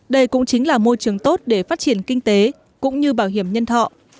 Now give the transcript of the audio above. đây cũng chính là môi trường tốt để phát triển kinh tế cũng như bảo hiểm nhân thọ